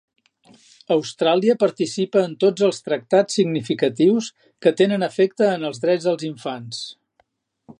Austràlia participa en tots els tractats significatius que tenen efecte en els drets dels infants.